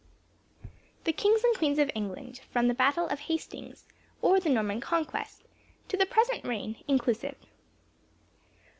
THE KINGS AND QUEENS OF ENGLAND, FROM THE BATTLE OF HASTINGS OR THE NORMAN CONQUEST, TO THE PRESENT REIGN, INCLUSIVE.